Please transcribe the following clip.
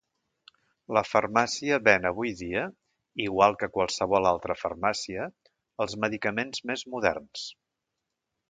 La farmàcia ven avui dia, igual que qualsevol altra farmàcia, els medicaments més moderns.